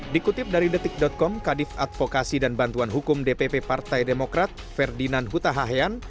dikutip dari detik com kadif advokasi dan bantuan hukum dpp partai demokrat ferdinand huta hayan